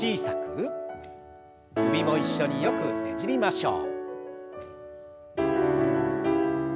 首も一緒によくねじりましょう。